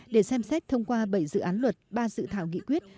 để xem xét thông qua bảy dự án luật ba dự thảo nghị quyết